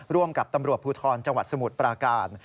ร่วมกับตำรวจภูทรจังหวัดสมุทรปราการ